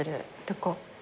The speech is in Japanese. どこ？